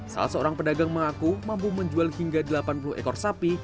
salah seorang pedagang mengaku mampu menjual hingga delapan puluh ekor sapi